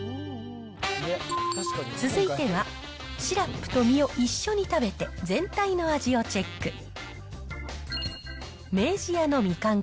続いては、シラップと実を一緒に食べて、全体の味をチェック。